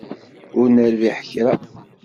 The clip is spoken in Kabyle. Ur nerbiḥ kra.